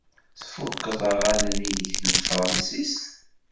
Tfukeḍ aɣanen-nnek n tefṛensist?